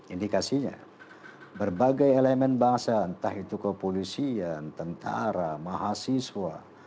indikasinya berbagai elemen bangsa entah itu kepolisian tentara mahasiswa